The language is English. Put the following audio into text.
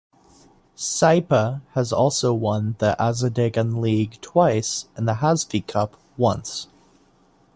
Saipa has also won the Azadegan League twice and the Hazfi Cup once.